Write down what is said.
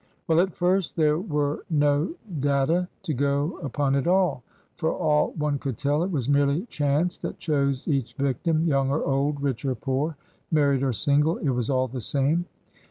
Well, at first there were no data to go upon at all. For all one could tell it was merely chance that chose each victim— young or old, rich or poor, married or single, it was all the same.